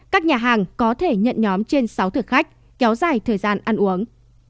các nhà hàng có thể nhận nhóm trên sáu thực khách kéo dài thời gian ăn uống